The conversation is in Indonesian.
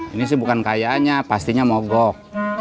ini sih bukan kayaknya pastinya mogok